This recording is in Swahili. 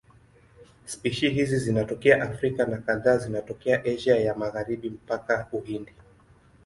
Spishi hizi zinatokea Afrika na kadhaa zinatokea Asia ya Magharibi mpaka Uhindi.